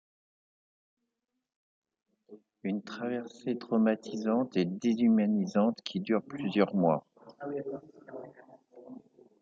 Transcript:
Une traversée traumatisante et déshumanisante qui dure plusieurs mois.